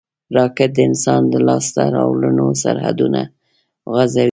راکټ د انسان د لاسته راوړنو سرحدونه غځوي